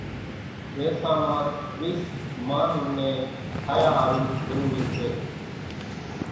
زين سامان ڪريست مانَ ني ٺاھيا ۿارُو ضروري سي۔